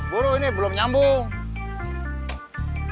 buru ini belum nyambung